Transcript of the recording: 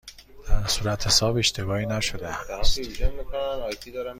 در صورتحساب اشتباهی نشده است؟